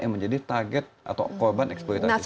yang menjadi target atau korban eksploitasi